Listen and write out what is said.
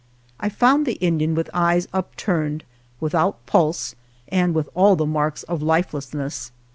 I found the Indian with eyes up turned, without pulse and with all the marks of lifelessness.